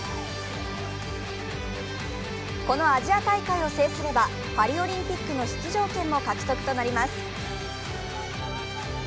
このアジア大会を制すれば、パリオリンピックの出場権も獲得となります。